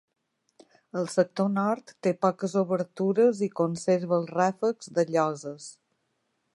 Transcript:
El sector nord té poques obertures i conserva els ràfecs de lloses.